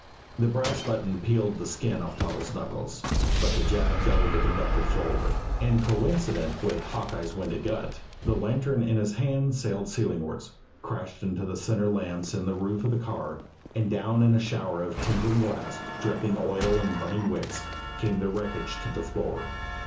The brass button peeled the skin off Toddles' knuckles, but the jab doubled the conductor forward, and coincident with Hawkeye's winded grunt, the lantern in his hand sailed ceilingwards, crashed into the center lamps in the roof of the car, and down in a shower of tinkling glass, dripping oil and burning wicks, came the wreckage to the floor.